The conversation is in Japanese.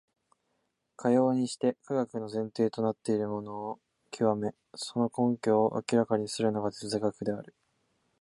かようにして科学の前提となっているものを究め、その根拠を明らかにするのが哲学である。